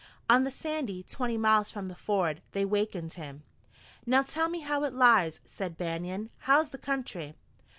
On the Sandy, twenty miles from the ford, they wakened him. "Now tell me how it lies," said Banion. "How's the country?"